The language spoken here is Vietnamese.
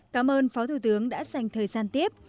cảm ơn phó thủ tướng đã dành thời gian tiếp